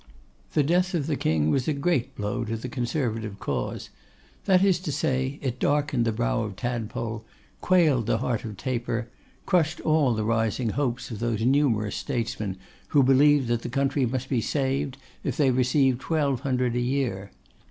The death of the King was a great blow to the Conservative Cause; that is to say, it darkened the brow of Tadpole, quailed the heart of Taper, crushed all the rising hopes of those numerous statesmen who believe the country must be saved if they receive twelve hundred a year.